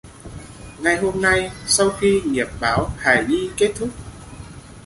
Ngay hôm nay sau khi nghiệp báo hài nhi Kết Thúc